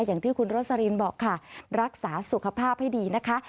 อย่างที่คุณโรสลินบอกค่ะรักษาสุขภาพให้ดีนะคะ